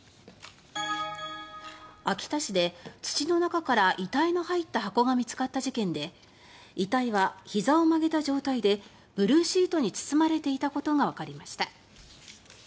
秋田市で土の中から遺体の入った箱が見つかった事件で遺体は膝を曲げた状態でブルーシートに包まれていたことがわかりました